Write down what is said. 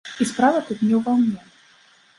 І справа тут не ўва мне.